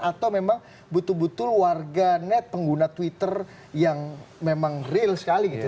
atau memang betul betul warga net pengguna twitter yang memang real sekali gitu